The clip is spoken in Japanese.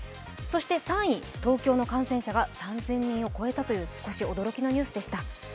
そして３位、東京の感染者が３０００人を超えたという少し驚きのニュースでした。